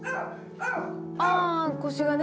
ああ腰がね。